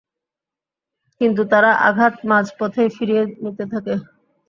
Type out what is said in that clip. কিন্ত তারা আঘাত মাঝপথেই ফিরিয়ে নিতে থাকে।